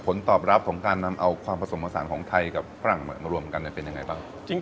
ผลตอบรับของการนำเอาความผสมผสานของไทยกับฝรั่งมารวมกันเป็นยังไงบ้าง